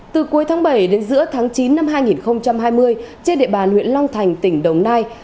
từ cuối tháng bảy đến giữa tháng chín năm hai nghìn hai mươi trên địa bàn huyện long thành tỉnh đồng nai